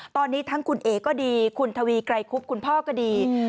ตอนนี้ทั้งคุณเอ๋ก็ดีคุณทวีไกรคุบคุณพ่อก็ดี